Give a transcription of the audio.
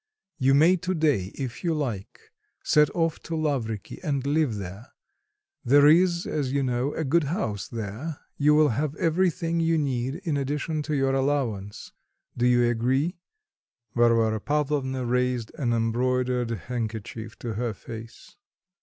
You may to day, if you like, set off to Lavriky, and live there; there is, as you know, a good house there; you will have everything you need in addition to your allowance... Do you agree?" Varvara Pavlovna raised an embroidered handkerchief to her face.